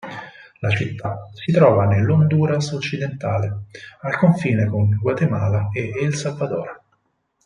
La città si trova nell'Honduras occidentale, al confine con Guatemala e El Salvador.